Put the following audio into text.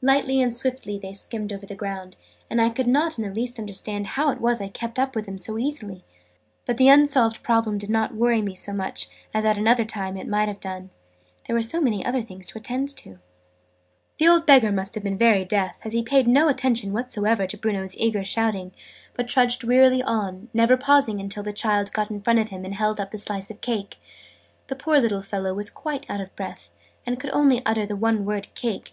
Lightly and swiftly they skimmed over the ground, and I could not in the least understand how it was I kept up with them so easily. But the unsolved problem did not worry me so much as at another time it might have done, there were so many other things to attend to. The old Beggar must have been very deaf, as he paid no attention whatever to Bruno's eager shouting, but trudged wearily on, never pausing until the child got in front of him and held up the slice of cake. The poor little fellow was quite out of breath, and could only utter the one word "Cake!"